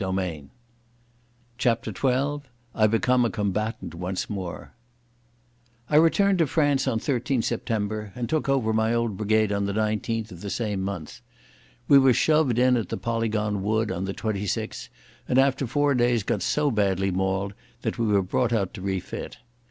PART II CHAPTER XII I Become a Combatant Once More I returned to France on 13 September, and took over my old brigade on the 19th of the same month. We were shoved in at the Polygon Wood on the 26th, and after four days got so badly mauled that we were brought out to refit.